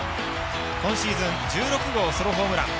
今シーズン１６号ソロホームラン。